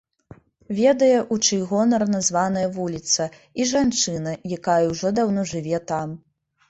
Ведае, у чый гонар названая вуліца, і жанчына, якая ўжо даўно жыве там.